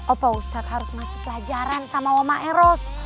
opa ustadz harus ngasih pelajaran sama oma eros